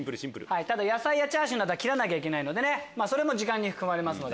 ただ野菜やチャーシューなどは切らなきゃいけないのでそれも時間に含まれます。